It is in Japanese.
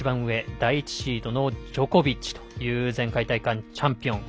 第１シードのジョコビッチという前回大会のチャンピオン。